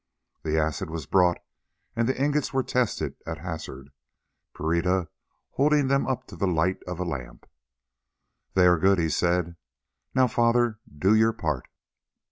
The acid was brought and the ingots were tested at hazard, Pereira holding them up to the light of a lamp. "They are good," he said. "Now, Father, do your part."